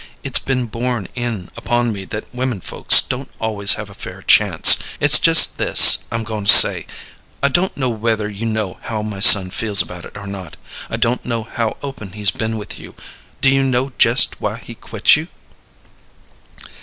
It's been borne in upon me that women folks don't always have a fair chance. It's jest this I'm goin' to say: I don't know whether you know how my son feels about it or not. I don't know how open he's been with you. Do you know jest why he quit you?"